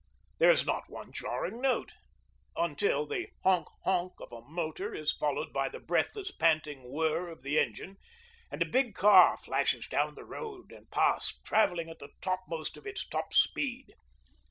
There is not one jarring note until the 'honk, honk' of a motor is followed by the breathless, panting whirr of the engine, and a big car flashes down the road and past, travelling at the topmost of its top speed.